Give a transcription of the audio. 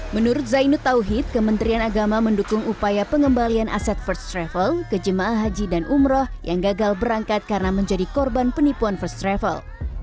menurut zainud tauhid kementerian agama mendukung upaya pengembalian aset first travel ke jemaah haji dan umroh yang gagal berangkat karena menjadi korban penipuan first travel